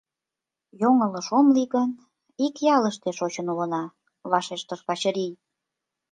— Йоҥылыш ом лий гын, ик ялыште шочын улына, — вашештыш Качырий.